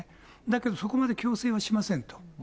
だけどそこまで強制はしませんと。